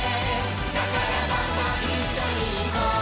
「だからどんどんいっしょにいこう」